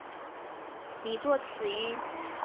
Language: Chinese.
而中古汉语的微母通常被拟作此音。